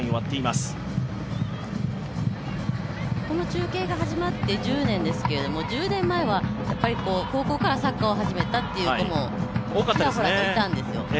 この中継が始まって１０年ですけれども、１０年前は高校からサッカーを始めたという子もちらほらいたんですよ